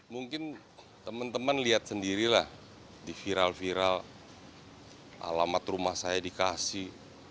mungkin teman teman lihat sendirilah di viral viral alamat rumah saya dikasih